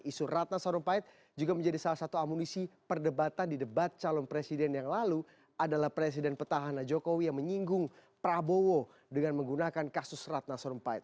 isu ratna sarumpait juga menjadi salah satu amunisi perdebatan di debat calon presiden yang lalu adalah presiden petahana jokowi yang menyinggung prabowo dengan menggunakan kasus ratna sarumpait